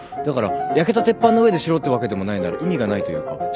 だから焼けた鉄板の上でしろってわけでもないなら意味がないというか。